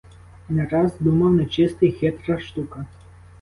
Не раз думав: нечистий — хитра штука.